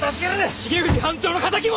重藤班長の敵も！